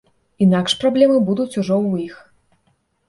Інакш праблемы будуць ужо ў іх.